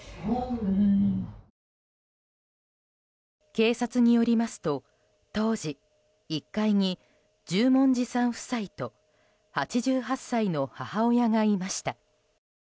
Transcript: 警察によりますと当時、１階に十文字さん夫妻と８８歳の母親がいました。